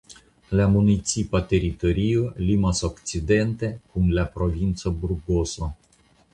La municipa teritorio limas okcidente kun la provinco Burgoso.